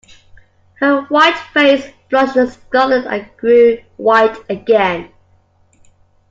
Her white face flushed scarlet and grew white again.